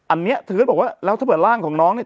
อันนี้เธอก็บอกว่าแล้วถ้าเผื่อร่างของน้องเนี่ย